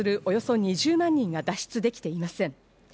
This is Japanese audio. およそ２０万人が脱出できていません。